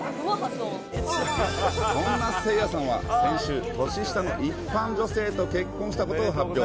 そんなせいやさんは、先週、年下の一般女性と結婚したことを発表。